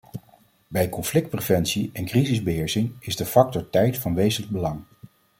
Bij conflictpreventie en crisisbeheersing is de factor tijd van wezenlijk belang.